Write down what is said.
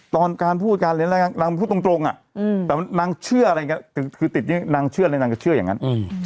ตอนการพูดตรงนางพูดตรงนางเชื่ออะไรก็เชื่ออย่างนั้น